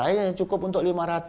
saya cukup untuk lima ratus